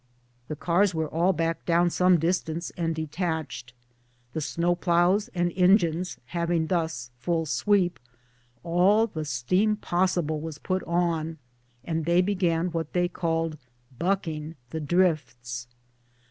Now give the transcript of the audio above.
The cars were all backed down some distance and detached; the snow ploughs and engines having thus full sweep, all the steam possible was put on, and they began what they called " bucking the drifts."